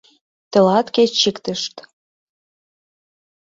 Тылат кеч чиктышт